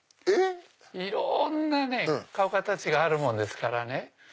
いろんな顔形があるもんですからね